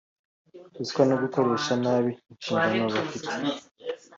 ruswa no gukoresha nabi inshingano bafite